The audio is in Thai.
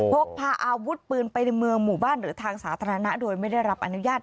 พกพาอาวุธปืนไปในเมืองหมู่บ้านหรือทางสาธารณะโดยไม่ได้รับอนุญาต